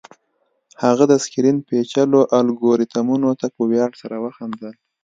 هغه د سکرین پیچلو الګوریتمونو ته په ویاړ سره وخندل